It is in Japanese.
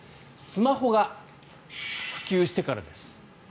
スマホが普及してからです。